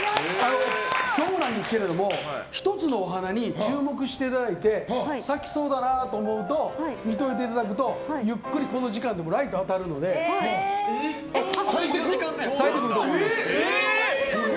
１つのお花に注目していただいて咲きそうだなと思うと見ておいていただくとゆっくり、この時間でもライトが当たるので咲いてくると思います。